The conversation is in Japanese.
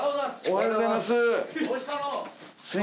おはようございます。